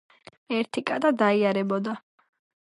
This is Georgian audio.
ერთი კატა დაიარებოდა.